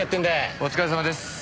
お疲れさまです。